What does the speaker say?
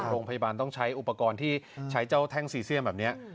โรงพยาบาลต้องใช้อุปกรณ์ที่ใช้เจ้าแท่งซีเซียมแบบนี้